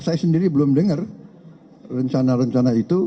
saya sendiri belum dengar rencana rencana itu